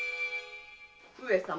上様。